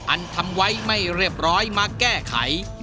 อันทำไว้ไม่เรียบร้อยมาแก้ไข